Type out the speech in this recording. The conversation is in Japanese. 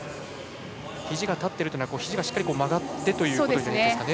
ひじが立っているというのはひじがしっかり曲がってということですね。